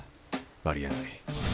ありえない。